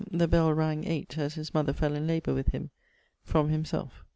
the bell rang VIII as his mother fell in labour with him (from himselfe).